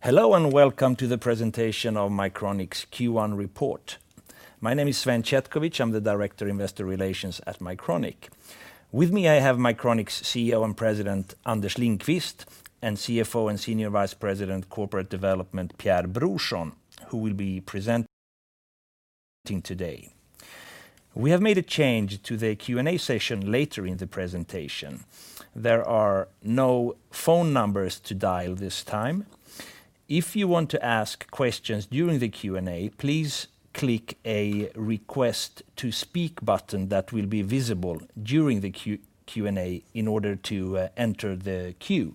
Hello and welcome to the presentation of Mycronic's Q1 report. My name is Sven Chetkovich. I'm the Director Investor Relations at Mycronic. With me, I have Mycronic's CEO and President, Anders Lindqvist, and CFO and Senior Vice President Corporate Development, Pierre Brorsson, who will be presenting today. We have made a change to the Q&A session later in the presentation. There are no phone numbers to dial this time. If you want to ask questions during the Q&A, please click a Request to Speak button that will be visible during the Q&A in order to enter the queue.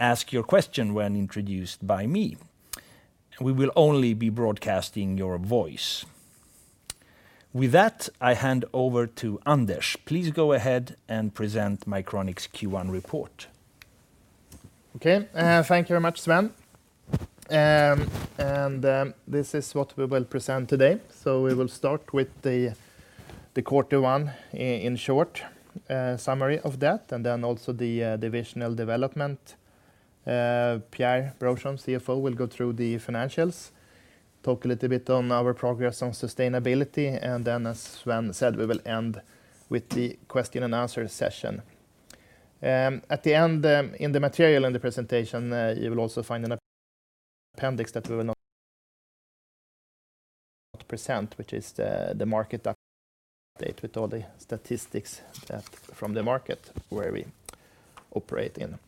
Ask your question when introduced by me. We will only be broadcasting your voice. With that, I hand over to Anders. Please go ahead and present Mycronic's Q1 report. Okay. Thank you very much, Sven. This is what we will present today. We will start with the Q1 in short summary of that, then also the divisional development. Pierre Brorsson, CFO, will go through the financials, talk a little bit on our progress on sustainability, and then, as Sven said, we will end with the question and answer session. At the end, in the material in the presentation, you will also find an appendix that we will not present, which is the market update with all the statistics from the market where we operate in.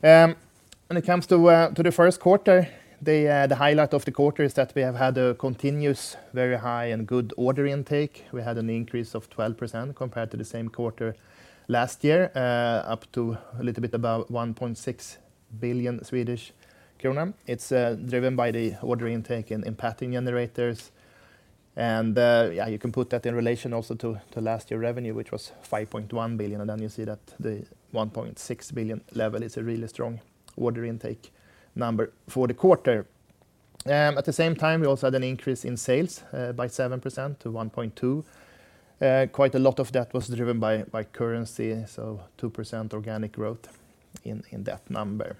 When it comes to the Q1, the highlight of the quarter is that we have had a continuous very high and good order intake. We had an increase of 12% compared to the same quarter last year, up to a little bit above 1.6 billion Swedish kronor. It's driven by the order intake in Pattern Generators. Yeah, you can put that in relation also to last year revenue, which was 5.1 billion. You see that the 1.6 billion level is a really strong order intake number for the quarter. At the same time, we also had an increase in sales by 7% to 1.2 billion. Quite a lot of that was driven by currency, so 2% organic growth in that number.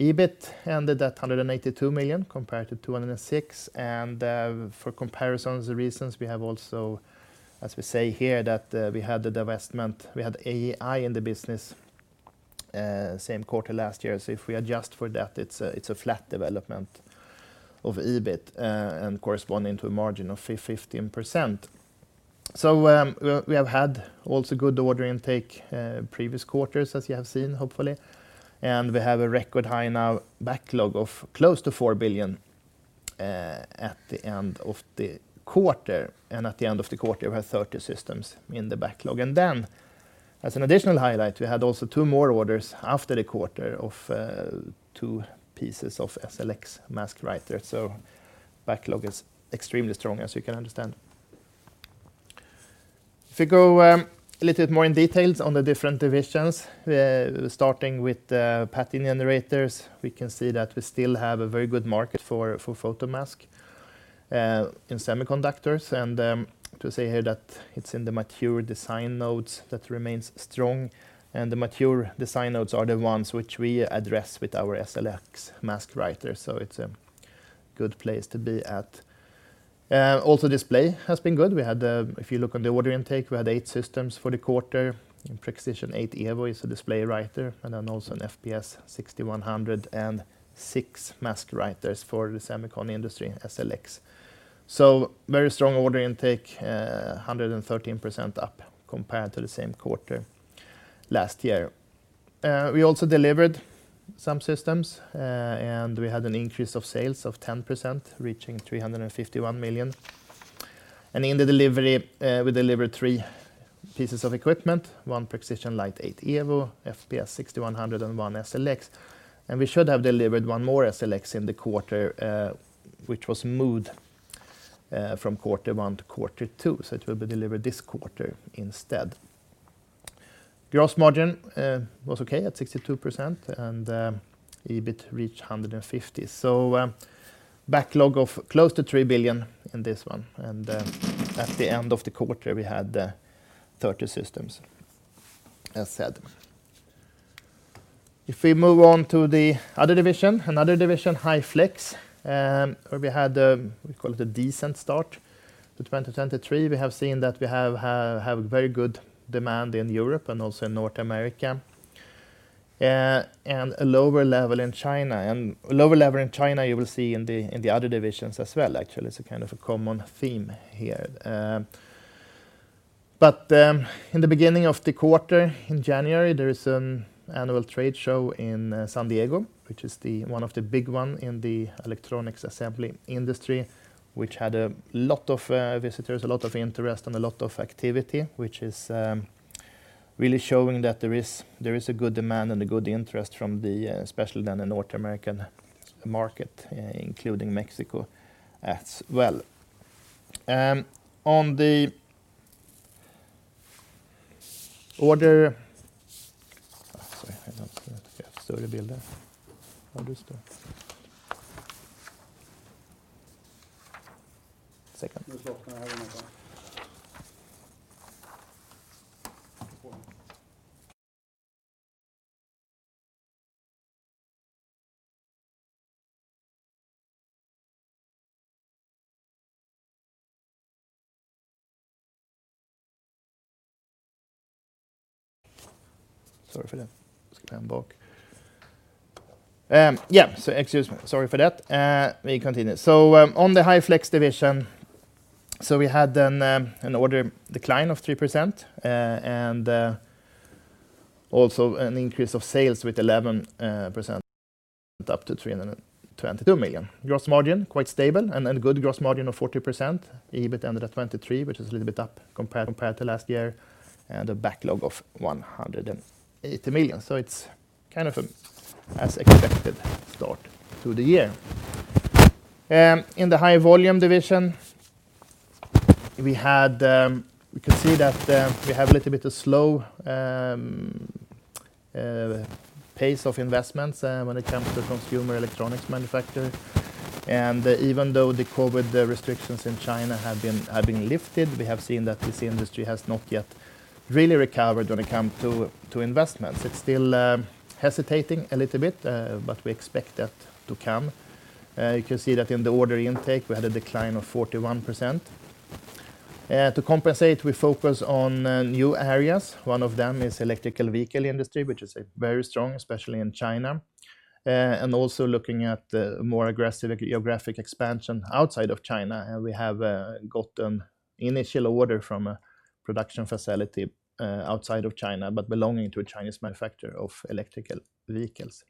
EBIT ended at 182 million compared to 206 million. For comparison reasons, we have also, as we say here, that we had the divestment, we had AEi in the business, same quarter last year. If we adjust for that, it's a flat development of EBIT, and corresponding to a margin of 15%. We have had also good order intake, previous quarters as you have seen, hopefully. We have a record high now backlog of close to four billion, at the end of the quarter. At the end of the quarter, we have 30 systems in the backlog. Then as an additional highlight, we had also two more orders after the quarter of two pieces of SLX mask writer. Backlog is extremely strong as you can understand. If we go a little bit more in details on the different divisions, starting with Pattern Generators, we can see that we still have a very good market for photomask in semiconductors. To say here that it's in the mature design nodes that remains strong. The mature design nodes are the ones which we address with our SLX mask writer. It's a good place to be at. Also display has been good. We had, if you look on the order intake, we had eight systems for the quarter. Prexision eight Evo is a display writer, and then also an FPS 6100 and six mask writers for the semicon industry SLX. Very strong order intake, 113% up compared to the same quarter last year. We also delivered some systems, we had an increase of sales of 10%, reaching 351 million. In the delivery, we delivered three pieces of equipment, one Prexision Lite 8 Evo, FPS 6100 and 1 SLX. We should have delivered 1 more SLX in the quarter, which was moved from Q1 to Q2, it will be delivered this quarter instead. Gross margin was okay at 62%, EBIT reached 150. Backlog of close to three billion in this one, at the end of the quarter, we had 30 systems, as said. If we move on to the other division, another division, High Flex, where we had, we call it a decent start to 2023. We have seen that we have very good demand in Europe and also in North America, a lower level in China. A lower level in China you will see in the other divisions as well, actually. It's a kind of a common theme here. In the beginning of the quarter, in January, there is an annual trade show in San Diego, which is the one of the big one in the electronics assembly industry, which had a lot of visitors, a lot of interest and a lot of activity, which is really showing that there is a good demand and a good interest from the especially then the North American market, including Mexico as well. Sorry for that. Skip that back. Yeah, excuse me. Sorry for that. We continue. On the High Flex division, we had an order decline of 3%, and also an increase of sales with 11% up to 322 million. Gross margin, quite stable and good gross margin of 40%. EBIT under 23 million, which is a little bit up compared to last year, and a backlog of 180 million. It's kind of a as expected start to the year. In the High Volume division, we had, we can see that we have a little bit of slow pace of investments when it comes to consumer electronics manufacturing. Even though the COVID restrictions in China have been lifted, we have seen that this industry has not yet really recovered when it come to investments. It's still hesitating a little bit, but we expect that to come. You can see that in the order intake, we had a decline of 41%. To compensate, we focus on new areas. One of them is electrical vehicle industry, which is very strong, especially in China. Also looking at the more aggressive geographic expansion outside of China, we have got an initial order from a production facility outside of China, but belonging to a Chinese manufacturer of electrical vehicles.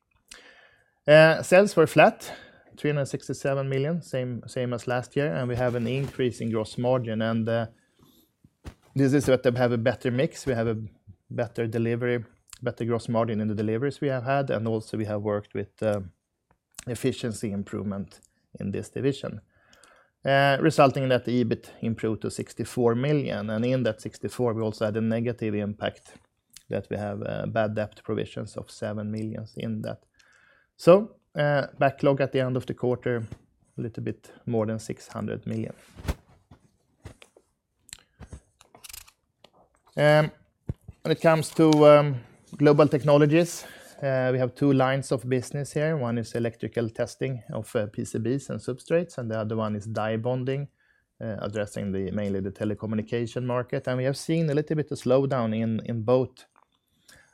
Sales were flat, 367 million, same as last year, and we have an increase in gross margin. This is that we have a better mix. We have a better delivery, better gross margin in the deliveries we have had. Also we have worked with efficiency improvement in this division, resulting in that EBIT improved to 64 million. In that 64, we also had a negative impact that we have bad debt provisions of seven million in that. Backlog at the end of the quarter, a little bit more than 600 million. When it comes to Global Technologies, we have two lines of business here. One is electrical testing of PCBs and substrates, and the other one is die bonding, addressing the mainly the telecommunication market. We have seen a little bit of slowdown in both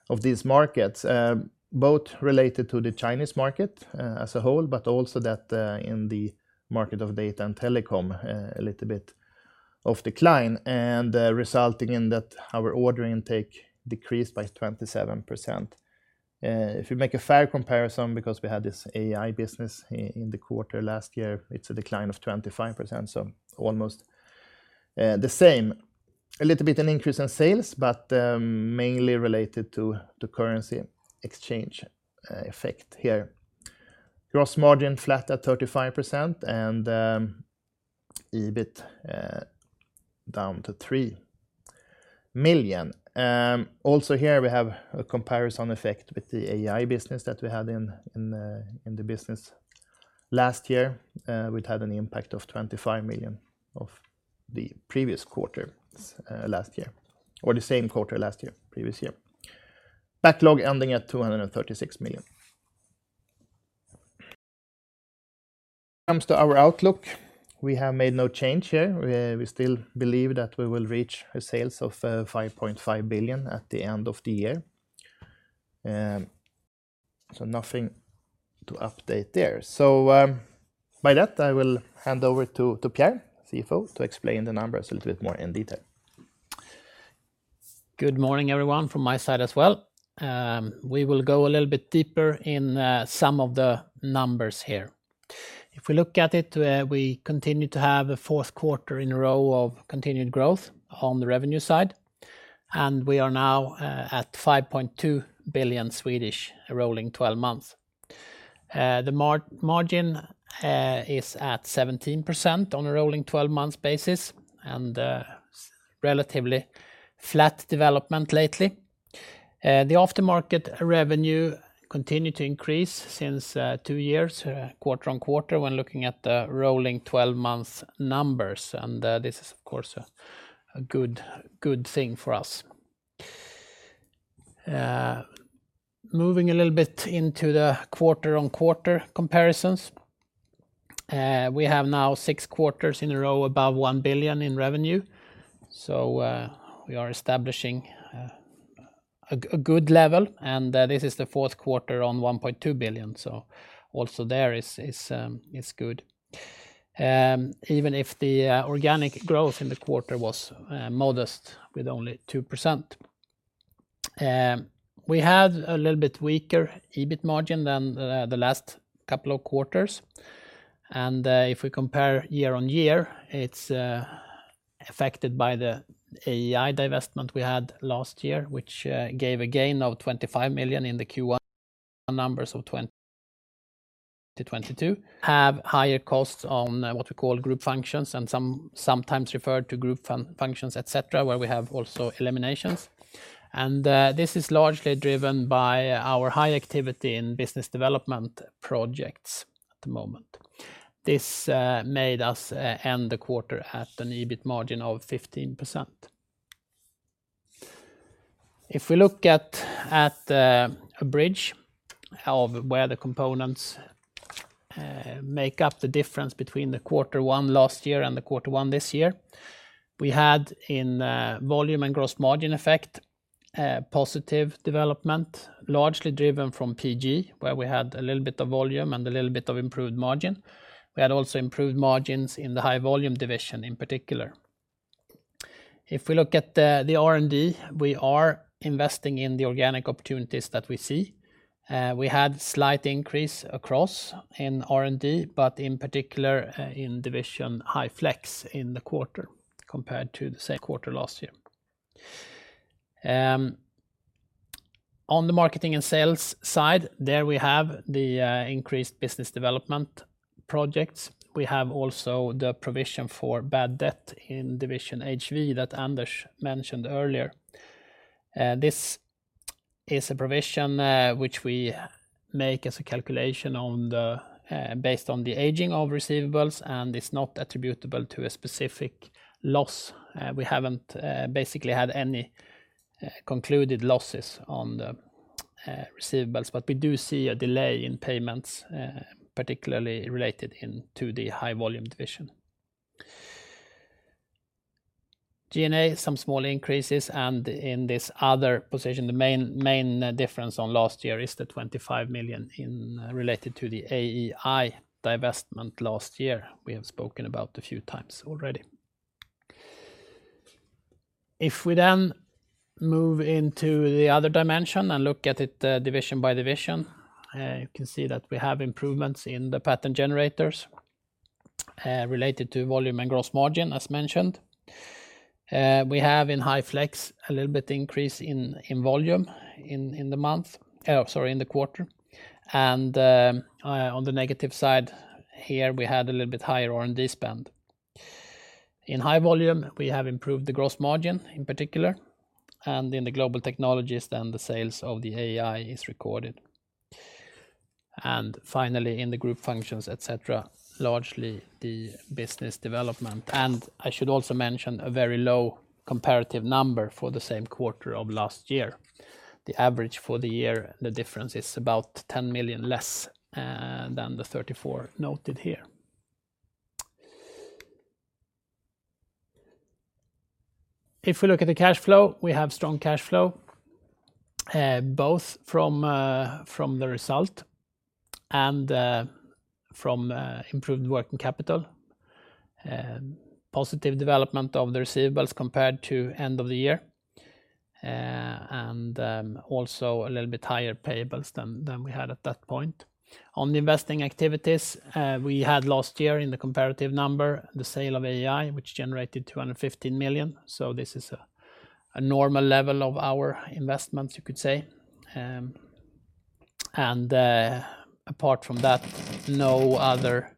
of these markets, both related to the Chinese market as a whole, but also that in the market of data and telecom, a little bit of decline, resulting in that our order intake decreased by 27%. If you make a fair comparison, because we had this AEi business in the quarter last year, it's a decline of 25%, so almost the same. A little bit an increase in sales, mainly related to the currency exchange effect here. Gross margin flat at 35%, EBIT down to 3 million. Also here we have a comparison effect with the AEi business that we had in the business last year. We'd had an impact of 25 million of the previous quarter, last year, or the same quarter last year, previous year. Backlog ending at SEK 236 million. Comes to our outlook. We have made no change here. We still believe that we will reach a sales of 5.5 billion at the end of the year. Nothing to update there. By that, I will hand over to Pierre, CFO, to explain the numbers a little bit more in detail. Good morning, everyone, from my side as well. We will go a little bit deeper in some of the numbers here. If we look at it, we continue to have a fourth quarter in a row of continued growth on the revenue side, and we are now at 5.2 billion rolling twelve months. The margin is at 17% on a rolling twelve months basis and relatively flat development lately. The aftermarket revenue continue to increase since two years, quarter-on-quarter when looking at the rolling twelve months numbers. This is of course a good thing for us. Moving a little bit into the quarter-on-quarter comparisons. We have now six quarters in a row above one billion in revenue. We are establishing a good level, this is the fourth quarter on 1.2 billion. Also there is good. Even if the organic growth in the quarter was modest with only 2%. We had a little bit weaker EBIT margin than the last couple of quarters. If we compare year-over-year, it's affected by the AEi divestment we had last year, which gave a gain of 25 million in the Q1 numbers of 2022 have higher costs on what we call group functions and sometimes referred to group functions, etcetera, where we have also eliminations. This is largely driven by our high activity in business development projects at the moment. This made us end the quarter at an EBIT margin of 15%. If we look at a bridge of where the components make up the difference between the quarter one last year and the quarter one this year, we had in volume and gross margin effect a positive development, largely driven from PG, where we had a little bit of volume and a little bit of improved margin. We had also improved margins in the High Volume division in particular. If we look at the R&D, we are investing in the organic opportunities that we see. We had slight increase across in R&D, but in particular in division High Flex in the quarter compared to the same quarter last year. On the marketing and sales side, there we have the increased business development projects. We have also the provision for bad debt in division HV that Anders mentioned earlier. This is a provision, which we make as a calculation on the based on the aging of receivables, and it's not attributable to a specific loss. We haven't basically had any concluded losses on the receivables, but we do see a delay in payments, particularly related into the High Volume division. G&A, some small increases, and in this other position, the main difference on last year is the 25 million related to the AEi divestment last year we have spoken about a few times already. If we then move into the other dimension and look at it division by division, you can see that we have improvements in the Pattern Generators related to volume and gross margin as mentioned. We have in High Flex a little bit increase in volume in the month, sorry, in the quarter. On the negative side here, we had a little bit higher R&D spend. In High Volume, we have improved the gross margin in particular, and in the Global Technologies then the sales of the AEi is recorded. Finally, in the group functions, et cetera, largely the business development. I should also mention a very low comparative number for the same quarter of last year. The average for the year, the difference is about 10 million less than the 34 million noted here. If we look at the cash flow, we have strong cash flow, both from the result and from improved working capital. Positive development of the receivables compared to end of the year, also a little bit higher payables than we had at that point. On the investing activities, we had last year in the comparative number, the sale of AEi, which generated 215 million. This is a normal level of our investments, you could say. Apart from that, no other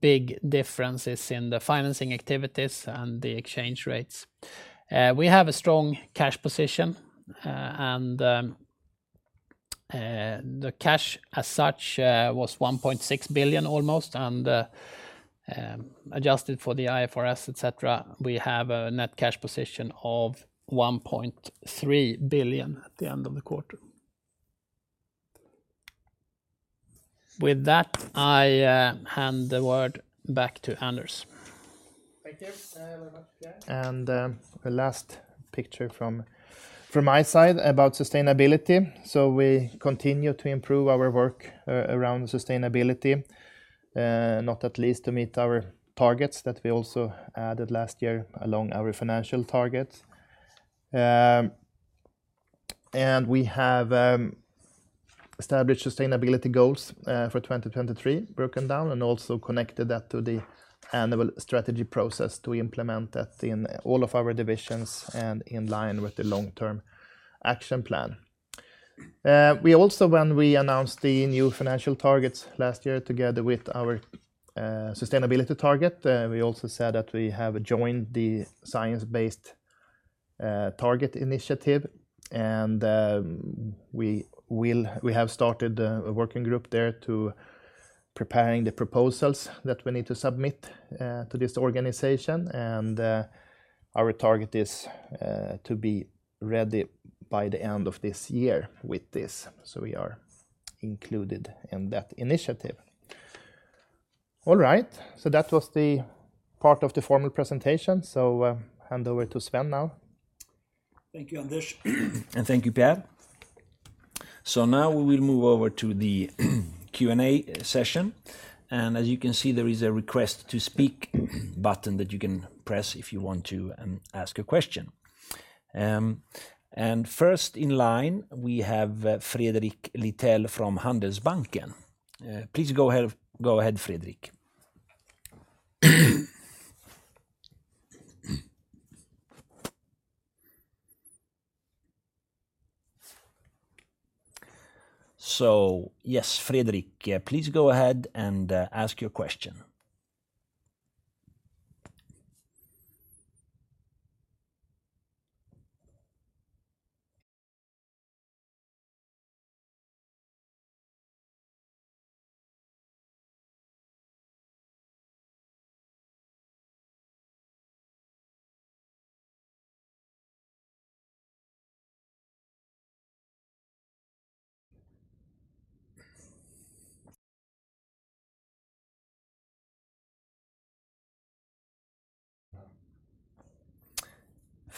big differences in the financing activities and the exchange rates. We have a strong cash position, the cash as such was 1.6 billion almost, adjusted for the IFRS, et cetera, we have a net cash position of 1.3 billion at the end of the quarter. With that, I hand the word back to Anders. Thank you very much, Pierre. The last picture from my side about sustainability. We continue to improve our work around sustainability, not at least to meet our targets that we also added last year along our financial targets. We have established sustainability goals for 2023, broken down, and also connected that to the annual strategy process to implement that in all of our divisions and in line with the long-term action plan. We also, when we announced the new financial targets last year together with our sustainability target, we also said that we have joined the Science Based Targets initiative. We have started a working group there to preparing the proposals that we need to submit to this organization. Our target is to be ready by the end of this year with this, so we are included in that initiative. All right, that was the part of the formal presentation. Hand over to Sven now. Thank you, Anders. Thank you, Pierre. Now we will move over to the Q&A session. As you can see, there is a Request to Speak button that you can press if you want to ask a question. First in line, we have Fredrik Lithell from Handelsbanken. Please go ahead, Fredrik. Yes, Fredrik, please go ahead and ask your question.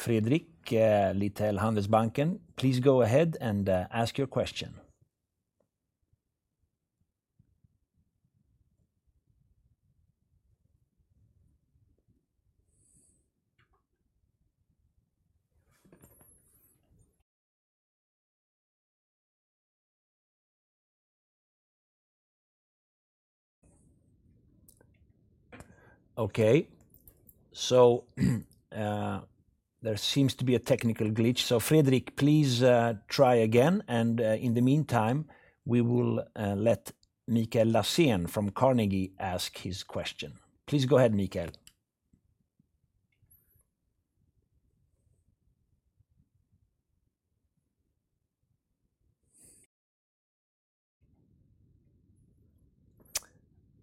Fredrik Lithell, Handelsbanken, please go ahead and ask your question. Okay. There seems to be a technical glitch. Fredrik, please try again, and in the meantime, we will let Mikael Laséen from Carnegie ask his question. Please go ahead, Mikael.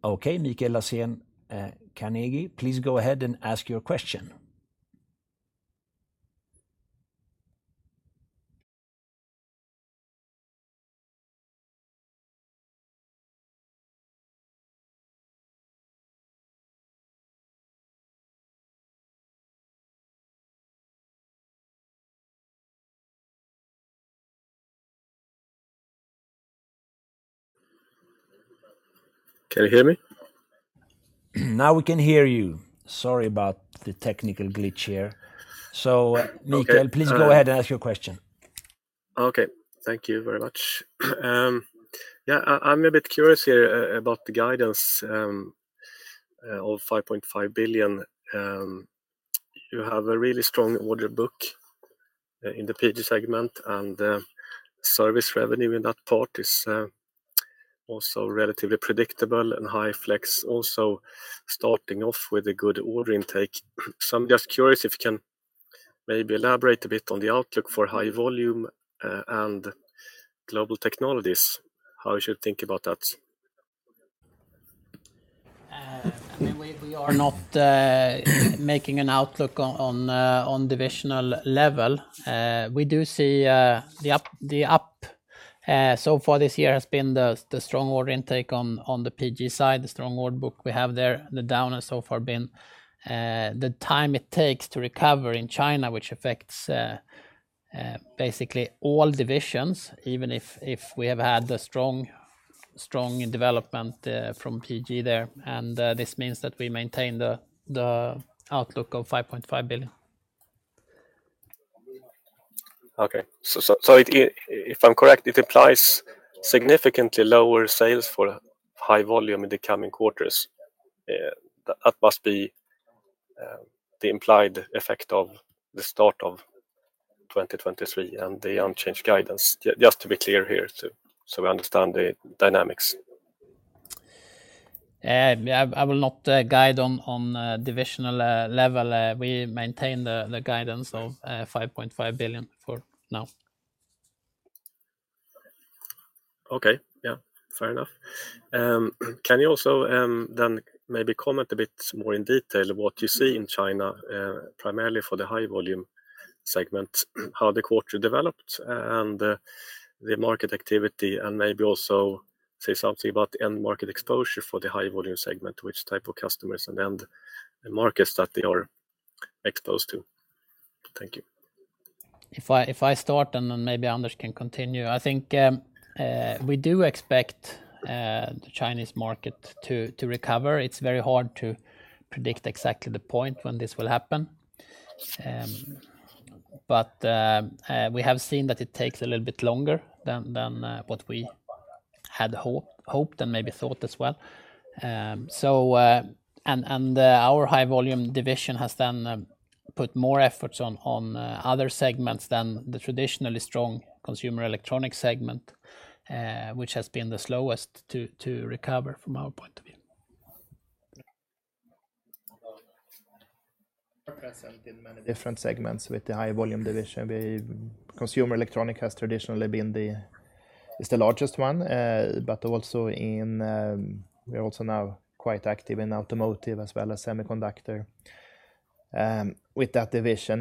Okay. Mikael Laséen, Carnegie, please go ahead and ask your question. Can you hear me? Now we can hear you. Sorry about the technical glitch here. Okay. All right. Mikael, please go ahead and ask your question. Okay. Thank you very much. Yeah, I'm a bit curious here about the guidance of 5.5 billion. You have a really strong order book in the PG segment and service revenue in that part is also relatively predictable and High Flex also starting off with a good order intake. I'm just curious if you can maybe elaborate a bit on the outlook for High Volume and Global Technologies, how we should think about that. I mean, we are not making an outlook on divisional level. We do see the up so far this year has been the strong order intake on the PG side, the strong order book we have there. The down has so far been the time it takes to recover in China, which affects basically all divisions, even if we have had the strong development from PG there. This means that we maintain the outlook of 5.5 billion. Okay. If I'm correct, it applies significantly lower sales for High Volume in the coming quarters. That must be the implied effect of the start of 2023 and the unchanged guidance, just to be clear here so we understand the dynamics. I will not guide on divisional level. We maintain the guidance of 5.5 billion for now. Okay. Yeah. Fair enough. Can you also, then maybe comment a bit more in detail what you see in China, primarily for the High Volume segment, how the quarter developed and the market activity, and maybe also say something about the end market exposure for the High Volume segment, which type of customers and end markets that they are exposed to? Thank you. If I start and then maybe Anders can continue. I think we do expect the Chinese market to recover. It's very hard to predict exactly the point when this will happen. We have seen that it takes a little bit longer than what we had hoped and maybe thought as well. Our High Volume division has then put more efforts on other segments than the traditionally strong consumer electronic segment, which has been the slowest to recover from our point of view. Present in many different segments with the High Volume division. The consumer electronic has traditionally been the largest one, but also in. We're also now quite active in automotive as well as semiconductor with that division.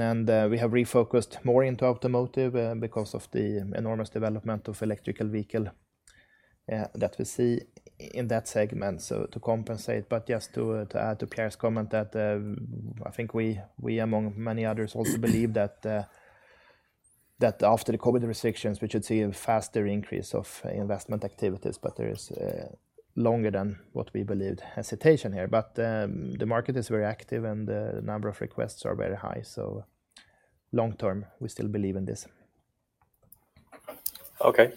We have refocused more into automotive because of the enormous development of electrical vehicle that we see in that segment, so to compensate. Just to add to Pierre's comment that I think we among many others also believe that after the COVID restrictions, we should see a faster increase of investment activities. There is longer than what we believed hesitation here. The market is very active and the number of requests are very high. Long term, we still believe in this. Okay.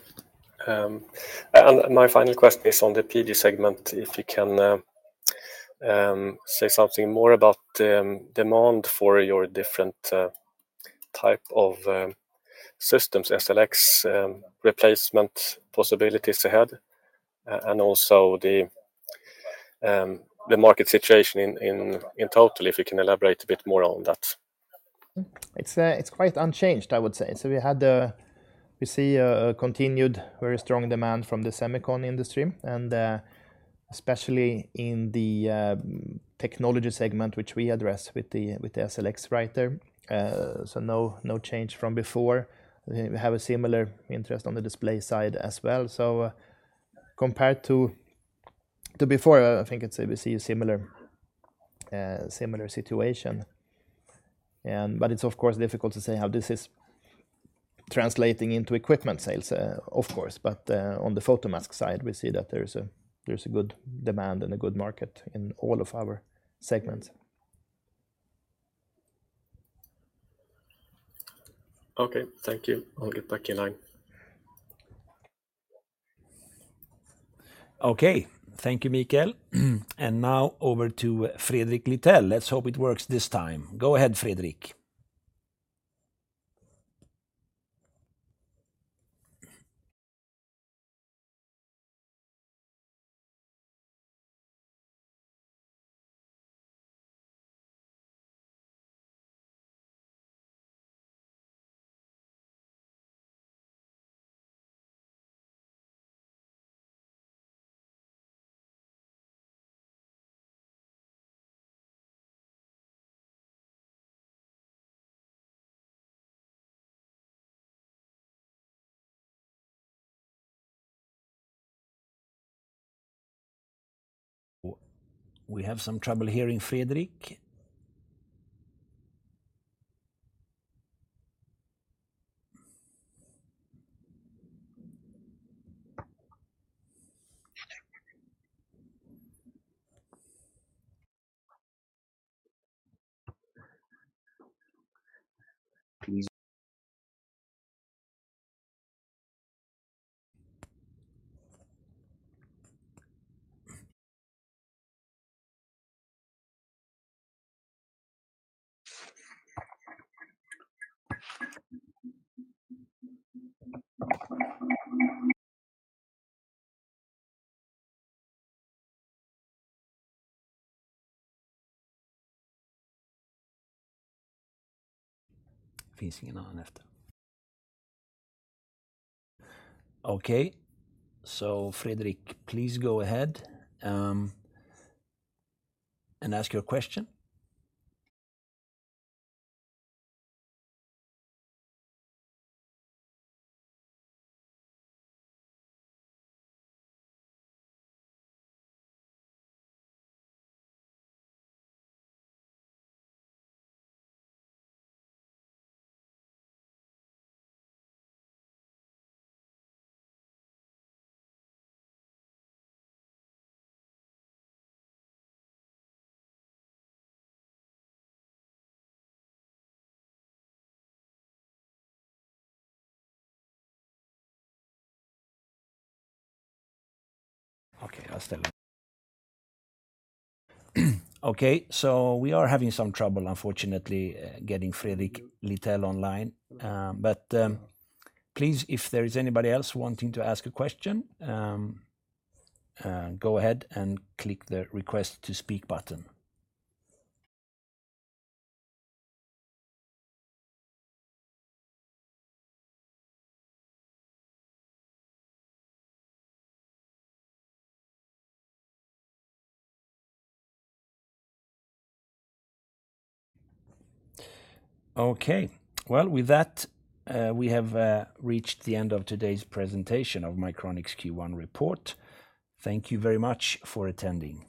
My final question is on the PG segment, if you can say something more about the demand for your different type of systems, SLX, replacement possibilities ahead, and also the market situation in total, if you can elaborate a bit more on that? It's quite unchanged, I would say. We see a continued very strong demand from the semicon industry, and especially in the technology segment which we address with the SLX writer. No change from before. We have a similar interest on the display side as well. Compared to before, I think we see a similar situation. It's of course difficult to say how this is translating into equipment sales, of course. On the photomask side, we see that there is a good demand and a good market in all of our segments. Okay. Thank you. I'll get back in line. Okay. Thank you, Mikael. Now over to Fredrik Lithell. Let's hope it works this time. Go ahead, Fredrik. We have some trouble hearing Fredrik. Okay. Fredrik, please go ahead and ask your question. Okay. Okay. We are having some trouble, unfortunately, getting Fredrik Lithell online. But please, if there is anybody else wanting to ask a question, go ahead and click the Request to Speak button. With that, we have reached the end of today's presentation of Mycronic's Q1 report. Thank you very much for attending.